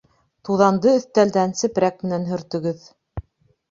Туҙанды өҫтәлдән сепрәк менән һөртөгөҙ